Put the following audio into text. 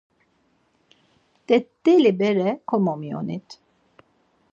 T̆et̆eli bere komomiyonit.